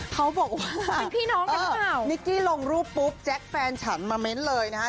เขาบอกว่านิกกี้ลงรูปปุ๊บแจ็คแฟนฉันมาเม้นต์เลยนะคะ